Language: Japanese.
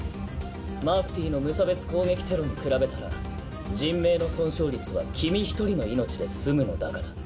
マフティーの無差別攻撃テロに比べたら人命の損傷率は君一人の命で済むのだから。